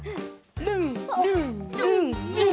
ルンルンルンルン！